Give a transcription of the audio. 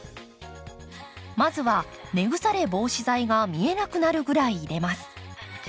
まずは根腐れ防止剤が見えなくなるぐらい入れます。